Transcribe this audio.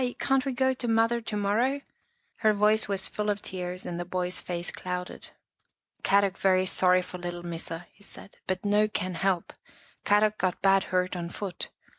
Can't we go to Mother to morrow?" her voice was full of tears and the boy's face clouded. " Kadok very sorry for little Missa," he said. " But no can help. Kadok got bad hurt on foot.